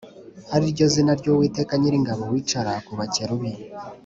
ari ryo zina ry’Uwiteka Nyiringabo wicara ku Bakerubi